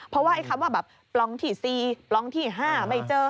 เพราะว่าไอ้คำว่าแบบปล่องที่๔ปล่องที่๕ไม่เจอ